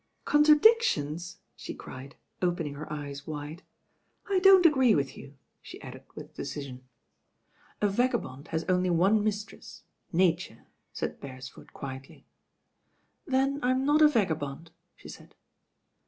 "Contradictions!" she cried, opening her eyes wide. "I don't agree with you," she added with decision. V ■>. M T«£ RAIN GIRL *'A vagabond has only one mistress, Nature/* said Beresford quietly. "Then I'm not a Vagabond,'* she said.